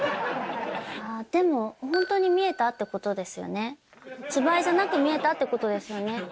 でも、本当に見えたってことですよね、芝居じゃなく見えたってことですよね。